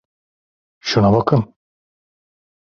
Şuna bakın!